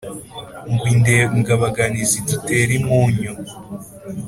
Ngo Indengabaganizi dutere impunyu